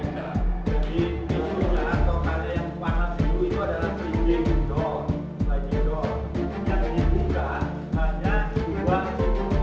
jadi itu jalan soalnya yang panas dulu itu adalah trading door trading door